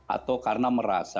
atau karena merasa